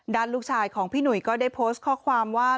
ลูกชายของพี่หนุ่ยก็ได้โพสต์ข้อความว่า